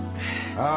ああ。